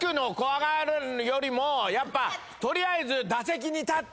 やっぱ取りあえず。